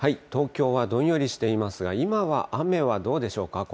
東京はどんよりしていますが、今は雨はどうでしょうか。